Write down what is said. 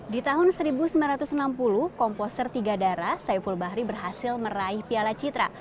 di tahun seribu sembilan ratus enam puluh komposer tiga darah saiful bahri berhasil meraih piala citra